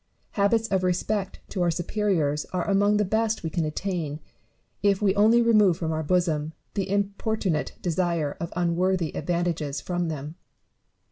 Habits of respect to our superiors are among the best we can attain, if we only remove from our bosom the importunate desire of unworthy advantages from them.